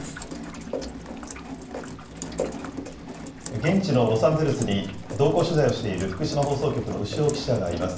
現地のロサンゼルスに、同行取材をしている福島放送局の潮記者がいます。